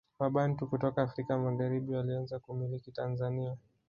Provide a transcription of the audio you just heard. Wabantu kutoka Afrika Magharibi walianza kumiliki Tanzania